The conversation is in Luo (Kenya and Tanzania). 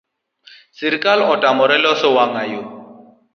Sirikal otamore loso wang’ayo